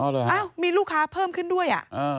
เอ้าเหรอครับอ้าวมีลูกค้าเพิ่มขึ้นด้วย